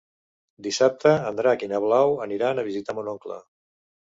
Dissabte en Drac i na Blau aniran a visitar mon oncle.